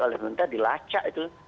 oleh karena itu dilacak itu